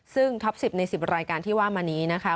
ซึ่งท็อป๑๐ใน๑๐รายการที่ว่ามานี้นะคะ